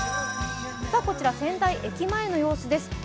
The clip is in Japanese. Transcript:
こちら、仙台駅前の様子です